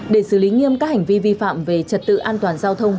để xử lý nghiêm các hành vi vi phạm về trật tự an toàn giao thông